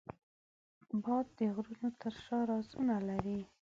باد د غرونو تر شا رازونه لري